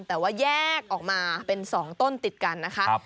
แต่ว่าแยกออกมาเป็น๒ต้นติดกันนะคะ